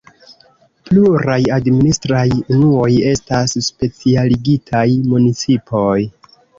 Pluraj administraj unuoj estas specialigitaj municipoj.